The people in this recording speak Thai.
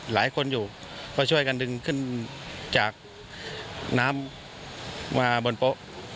หลายคนอยู่ก็ช่วยกันดึงขึ้นจากน้ำมาบนโป๊ะ